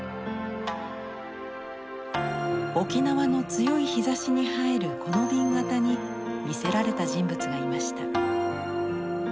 沖縄の強い日ざしに映えるこの紅型に魅せられた人物がいました。